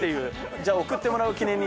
じゃあ送ってもらう記念に。